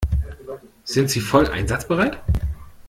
Sind Sie voll einsatzbereit?